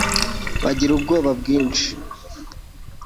bagira ubwoba bwinshi